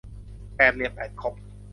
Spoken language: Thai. แปดเหลี่ยมแปดคม